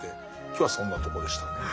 今日はそんなとこでしたね。